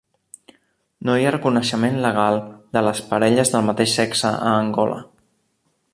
No hi ha reconeixement legal de les parelles del mateix sexe a Angola.